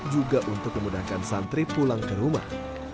juga untuk memudahkan santri pulang ke rumah